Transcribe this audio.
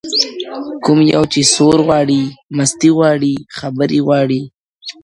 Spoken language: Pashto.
کوم یو چي سور غواړي، مستي غواړي، خبري غواړي،